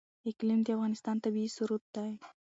اقلیم د افغانستان طبعي ثروت دی.